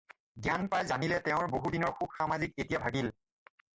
জ্ঞান পাই জানিলে তেওঁৰ বহুত দিনৰ সুখ-সামাজিক এতিয়া ভাগিল।